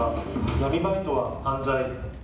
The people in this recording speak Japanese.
闇バイトは犯罪。